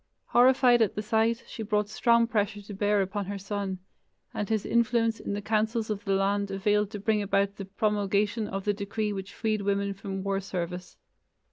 Horrified at the sight, she brought strong pressure to bear upon her son, and his influence in the councils of the land availed to bring about the promulgation of the decree which freed women from war service.